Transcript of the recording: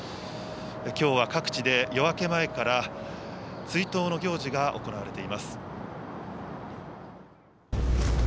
きょうは各地で夜明け前から、追悼の行事が行われています。